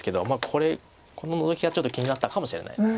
これこのノゾキがちょっと気になったかもしれないです。